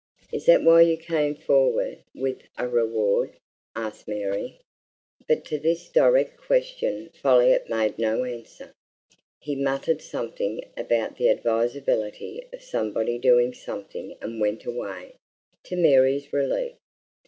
"Is that why you came forward with a reward?" asked Mary. But to this direct question Folliot made no answer. He muttered something about the advisability of somebody doing something and went away, to Mary's relief.